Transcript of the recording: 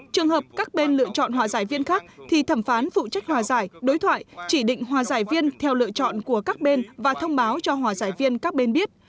trường hợp các bên lựa chọn hòa giải viên khác thì thẩm phán phụ trách hòa giải đối thoại chỉ định hòa giải viên theo lựa chọn của các bên và thông báo cho hòa giải viên các bên biết